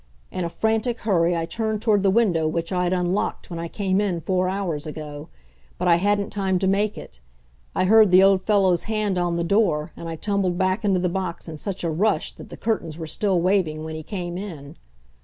In a frantic hurry I turned toward the window which I had unlocked when I came in four hours ago. But I hadn't time to make it. I heard the old fellow's hand on the door, and I tumbled back into the box in such a rush that the curtains were still waving when he came in.